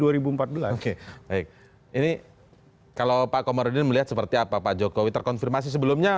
oke baik ini kalau pak komarudin melihat seperti apa pak jokowi terkonfirmasi sebelumnya